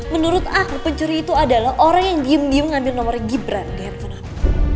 menurut aku pencuri itu adalah orang yang diem diem ngambil nomornya gibran di handphone aku